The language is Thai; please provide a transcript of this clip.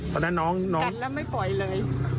กัดแล้วไม่ปล่อยเลย